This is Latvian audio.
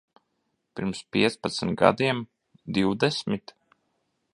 Pirms piecpadsmit gadiem? Divdesmit?